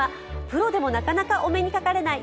プロでもなかなかお目にかかれない